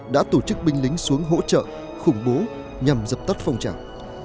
đã tổ chức binh lính xuống hỗ trợ khủng bố nhằm dập tắt phong trào